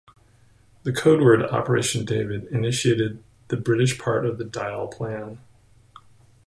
The codeword "Operation David" initiated the British part of the Dyle Plan.